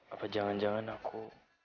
apa jangan jangan aku